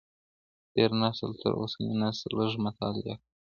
تېر نسل تر اوسني نسل لږ مطالعه کوله.